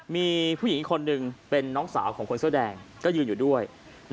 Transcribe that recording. มีผู้หญิงอีกคนนึงเป็นน้องสาวของคนเสื้อแดงก็ยืนอยู่ด้วย